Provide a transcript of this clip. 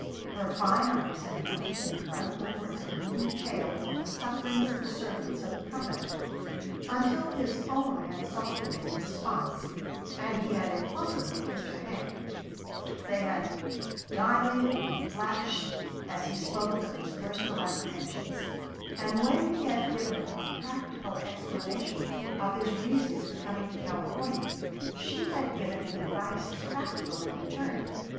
Her fine eyes had melted and run over at the moving tale of the sufferings of the servants of the Company until his own had softened in response and he had impulsively kissed her hand; they had dilated and flashed as he spoke of his personal apprehensions; and when he had given her a practical explanation of his reasons for coming to California she had given him advice as practical in return.